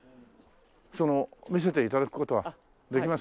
その見せて頂く事はできますか？